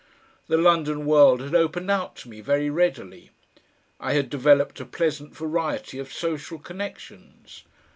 The London world had opened out to me very readily. I had developed a pleasant variety of social connections.